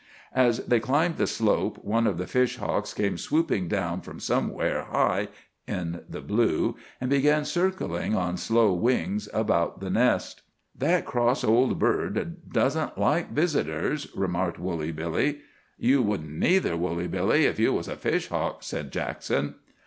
As they climbed the slope, one of the fish hawks came swooping down from somewhere high in the blue, and began circling on slow wings about the nest. "That cross old bird doesn't like visitors," remarked Woolly Billy. "You wouldn't, neether, Woolly Billy, if you was a fish hawk," said Jackson.